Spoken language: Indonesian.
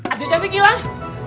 aduh cantik ilang